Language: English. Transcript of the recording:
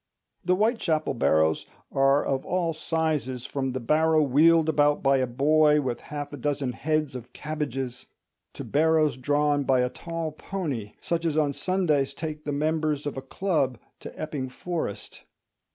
The Whitechapel barrows are of all sizes, from the barrow wheeled about by a boy with half a dozen heads of cabbages to barrows drawn by a tall pony, such as on Sundays take the members of a club to Epping Forest.